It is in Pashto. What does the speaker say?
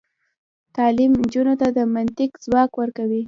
تعلیم نجونو ته د منطق ځواک ورکوي.